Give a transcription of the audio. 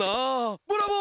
ブラボー！